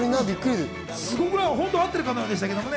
本当に会ってるかのようでしたね。